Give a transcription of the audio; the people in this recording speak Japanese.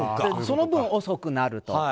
その分遅くなると。